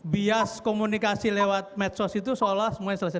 bias komunikasi lewat medsos itu seolah semuanya selesai